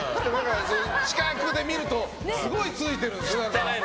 近くで見るとすごくついてるんです。